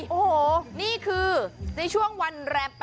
โอ้โหในช่วงวันแรม๘